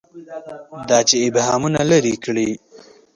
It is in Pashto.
دا چې ابهامونه لري کړي.